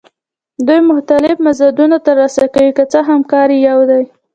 دوی مختلف مزدونه ترلاسه کوي که څه هم کار یې یو دی